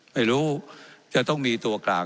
ว่าการกระทรวงบาทไทยนะครับ